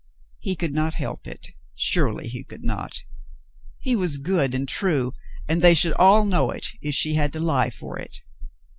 He could not help it — surely he could not. He was good and true, and they should all know it if she had to lie for it.